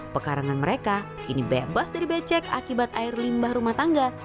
pekarangan mereka kini bebas dari becek akibat air limbah rumah tangga